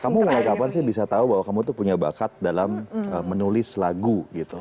kamu mulai kapan sih bisa tahu bahwa kamu tuh punya bakat dalam menulis lagu gitu